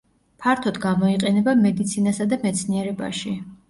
ფართოდ გამოიყენება მედიცინასა და მეცნიერებაში.